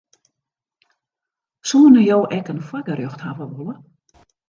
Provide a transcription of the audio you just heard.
Soenen jo ek in foargerjocht hawwe wolle?